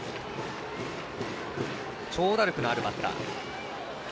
長打力のあるバッター。